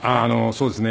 そうですね。